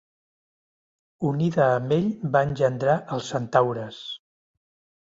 Unida amb ell va engendrar els centaures.